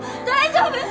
大丈夫？